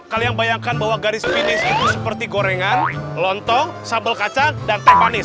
kalian bayangkan bahwa garis finish itu seperti gorengan lontong sambal kaca dan teh manis